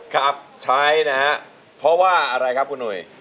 ครับใช้นะฮะเพราะว่าอะไรครับคุณหนุ่ย